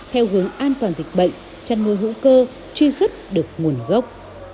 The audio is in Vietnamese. theo hướng an toàn dịch bệnh chăn nuôi hữu cơ truy xuất được nguồn gốc